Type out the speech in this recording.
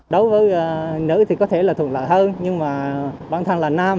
đối với nữ thì có thể là thuận lợi hơn nhưng mà bản thân là nam